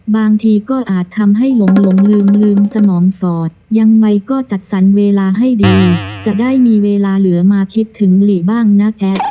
บางทีก็อาจทำให้หลงลืมลืมสมองฟอดยังไงก็จัดสรรเวลาให้ดีจะได้มีเวลาเหลือมาคิดถึงหลีบ้างนะแจ๊